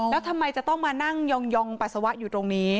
แล้วทำไมจะต้องมานั่งยองปัสสาวะอยู่ตรงนี้